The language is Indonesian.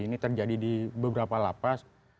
ini terjadi di beberapa lapas